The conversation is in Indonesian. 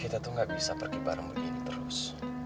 kita tuh gak bisa pergi bareng begini terus